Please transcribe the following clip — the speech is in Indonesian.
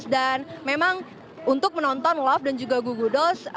dan memang untuk menonton love dan juga goo goo dolls